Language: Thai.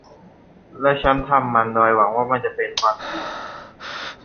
และฉันทำมันโดยหวังว่ามันจะเป็นความจริง